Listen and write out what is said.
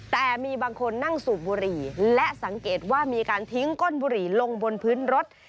แต่มีบางคนนั่งสูบบุหรี่และสังเกตว่ามีการทิ้งก้นบุหรี่ลงบนพื้นรถ